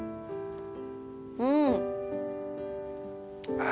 うん。